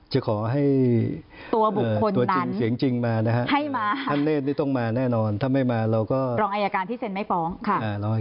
จะขอให้ตัวบุคคลนั้นจริงมานะฮะให้มาถ้าไม่มาเราก็รองอายการที่เซ็นไม่ฟองค่ะ